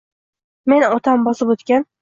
Men otam bosib o’tgan